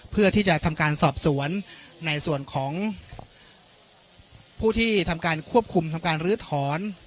เพื่อที่จะทำการสอบสวนในส่วนของผู้ที่ทำการควบคุมทำการลื้อถอน